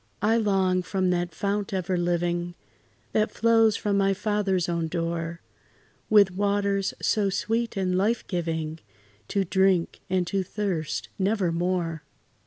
I long, from that fount ever living, That flows by my Father's own door, With waters so sweet and life giving, To drink, and to thirst never more.